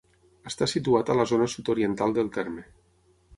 Està situat a la zona sud-oriental del terme.